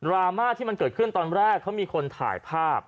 ราม่าที่มันเกิดขึ้นตอนแรกเขามีคนถ่ายภาพ